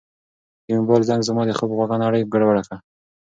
د موبایل زنګ زما د خوب خوږه نړۍ ګډوډه کړه.